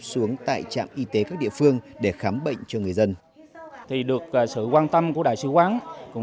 họ đã xuống tại trạm y tế các địa phương để khám bệnh cho người dân